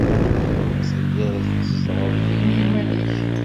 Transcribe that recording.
Tellid tzedɣed din i yiman-nnek.